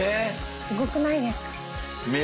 すごくないですか？